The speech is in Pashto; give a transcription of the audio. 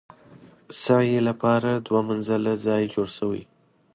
سعې لپاره هم دوه منزله ځای جوړ شوی.